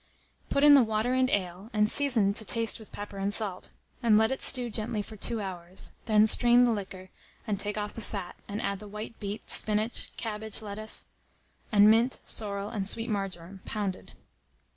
Put in the water and ale, and season to taste with pepper and salt, and let it stew gently for 2 hours; then strain the liquor, and take off the fat, and add the white beet, spinach, cabbage lettuce, and mint, sorrel, and sweet marjoram, pounded.